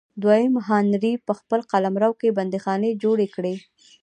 دویم هانري په خپل قلمرو کې بندیخانې جوړې کړې.